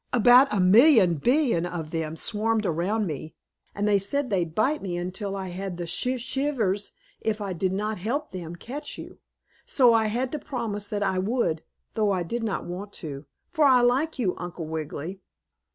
About a million billion of them swarmed around me, and they said they'd bite me until I had the shiv ivers if I did not help them catch you. So I had to promise that I would, though I did not want to, for I like you, Uncle Wiggily.